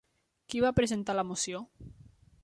Qui va presentar la moció?